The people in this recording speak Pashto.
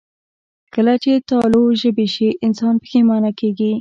کله چې تالو ژبې شي، انسان پښېمانه کېږي